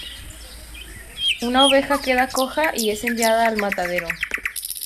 Una oveja queda coja y es enviada al matadero.